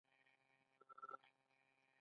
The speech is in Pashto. آیا د سهار خوب ریښتیا نه ګڼل کیږي؟